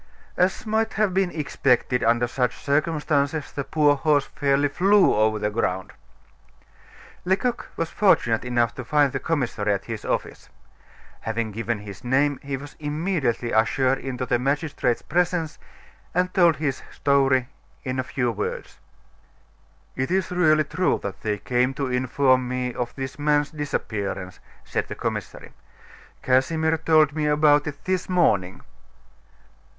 As might have been expected under such circumstances, the poor horse fairly flew over the ground. Lecoq was fortunate enough to find the commissary at his office. Having given his name, he was immediately ushered into the magistrate's presence and told his story in a few words. "It is really true that they came to inform me of this man's disappearance," said the commissary. "Casimir told me about it this morning."